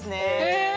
へえ！